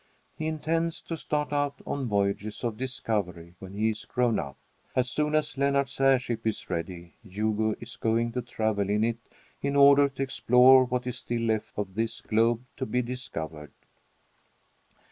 He intends to start out on voyages of discovery when he is grown up. As soon as Lennart's airship is ready, Hugo is going to travel in it in order to explore what is still left of this globe to be discovered.